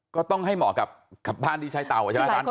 ก็ต้องให้เหมาะกับบ้านที่ใช้เตา